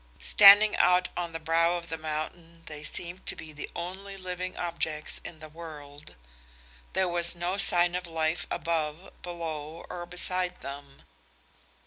Standing out on the brow of the mountain they seemed to be the only living objects in the world. There was no sign of life above, below or beside them.